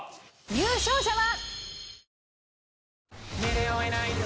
優勝者は。